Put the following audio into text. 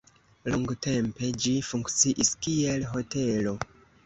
Longtempe ĝi funkciis kiel hotelo.